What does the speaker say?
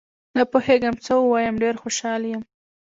نه پوهېږم څه ووایم، ډېر خوشحال یم